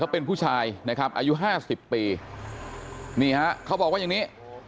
เป็นผู้ชายนะครับอายุห้าสิบปีนี่ฮะเขาบอกว่าอย่างนี้